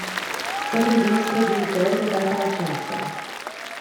Să privim spre viitor de data aceasta.